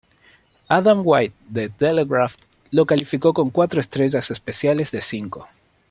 Adam White de "The Telegraph" lo calificó con cuatro estrellas especiales de cinco.